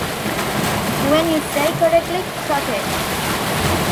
When you say correctly croquet;